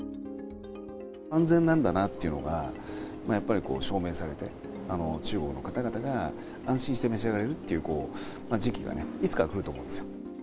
安全なんだなっていうのがやっぱり証明されて、中国の方々が安心して召し上がれるっていう時期がね、いつか来る